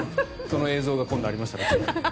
その映像が今度ありましたら。